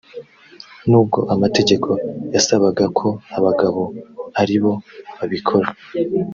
n’ubwo amategeko yasabaga ko abagabo ari bo babikora